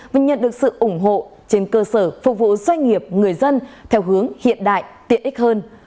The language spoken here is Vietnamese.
và nhận được sự ủng hộ trên cơ sở phục vụ doanh nghiệp người dân theo hướng hiện đại tiện ích hơn